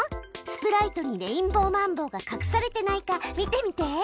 スプライトにレインボーマンボウがかくされてないか見てみて！